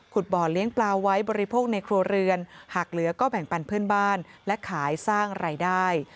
บ่อเลี้ยงปลาไว้บริโภคในครัวเรือนหากเหลือก็แบ่งปันเพื่อนบ้านและขายสร้างรายได้